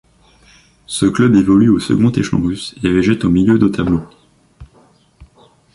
Ce club évolue au second échelon russe et végète au milieu de tableau.